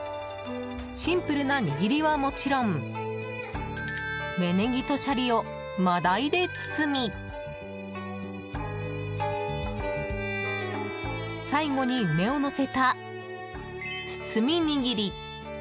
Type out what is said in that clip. シンプルな握りはもちろん芽ネギとシャリを真鯛で包み最後に梅をのせた包みにぎり。